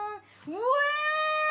うわ！